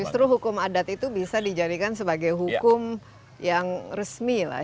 justru hukum adat itu bisa dijadikan sebagai hukum yang resmi lah